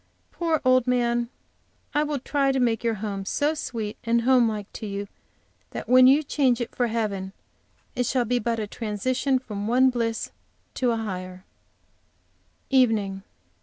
poor old man! I will try to make your home so sweet and home like to you that when you change it for heaven it shall be but a transition from one bliss to a higher! EVENING.